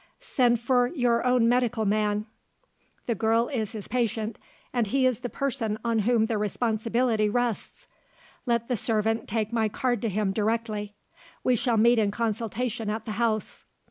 Send for you own medical man. The girl is his patient, and he is the person on whom the responsibility rests. Let the servant take my card to him directly. We can meet in consultation at the house."